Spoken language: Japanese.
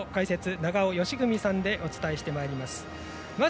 永尾嘉章さんでお伝えしてまいります。